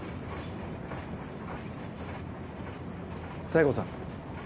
西郷さん